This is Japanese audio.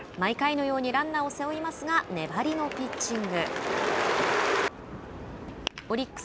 毎回のようにランナーを背負いますが粘りのピッチング。